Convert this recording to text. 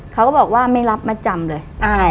เขาก็บอกว่าไม่รับมาจำเลย